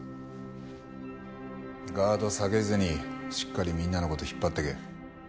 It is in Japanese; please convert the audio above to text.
ガード下げずにしっかりみんなの事引っ張っていけ。